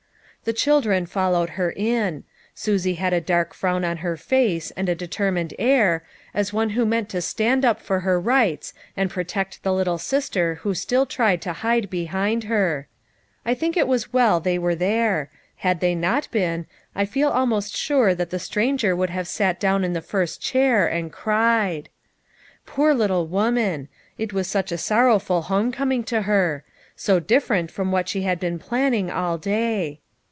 The children followed her in. Susie had a dark frown on her face, and a determined air, as one who meant to stand up for her rights and protect the little sister who still tried to hide behind her. I think it was well they were there ; had they not been, I feel almost sure that the stranger would have sat down in the first chair and cried. Poor little woman ! It was such a sorrowful home coming to her. So different from what she had been planning all day.